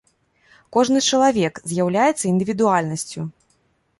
Кожны чалавек з'яўляецца індывідуальнасцю.